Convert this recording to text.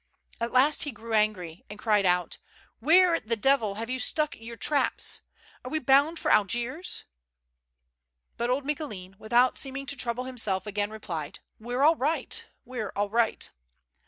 At last he grew angry and cried out: " Where the devil have you stuck your traps ? Are we bound for Algiers?" But old Micoulin, without seeming to trouble himself, again replied :" We're all right, we're all right."